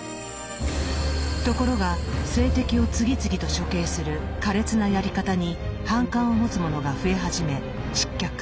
ところが政敵を次々と処刑する苛烈なやり方に反感を持つ者が増え始め失脚。